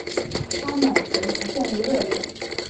他们随即陷入热恋。